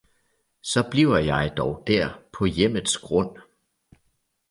Saa bliver jeg dog der paa hjemmets grund